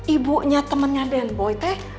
ibunya temennya den boy teh